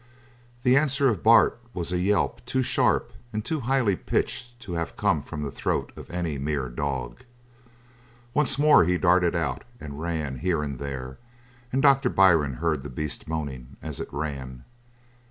The answer of Bart was a yelp too sharp and too highly pitched to have come from the throat of any mere dog. Once more he darted out and ran here and there, and Doctor Byrne heard the beast moaning as it ran.